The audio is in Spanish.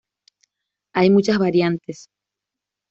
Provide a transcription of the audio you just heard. Hay muchas variantes.